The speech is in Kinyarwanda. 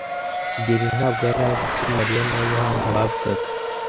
kigeli ntabwo yari azi icyo Mariya na Yohana bavugaga.